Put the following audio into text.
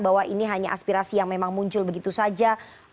bahwa ini hanya aspirasi yang memang muncul begitu saja